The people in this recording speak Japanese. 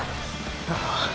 ああ！！